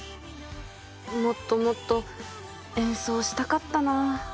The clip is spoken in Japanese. もっともっと演奏したかったな。